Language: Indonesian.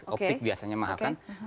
optik biasanya mahal kan